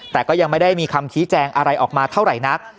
แต่ก็ยังไม่ได้มีคำชี้แจงอะไรออกมาเท่าไหร่นัก